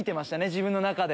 自分の中で。